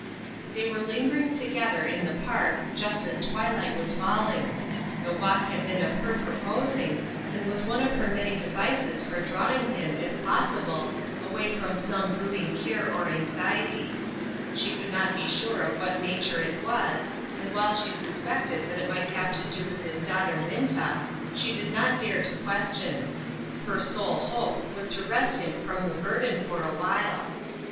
They were lingering together in the park, just as twilight was falling. The walk had been of her proposing, and was one of her many devices for drawing him, if possible, away from some brooding care or anxiety ; she could not be sure of what nature it was, and while she suspected that it might 300 A WAITING WORKER. have to do with his daughter Minta, she did not dare to question ; her sole hope was to rest him from the burden for awhile.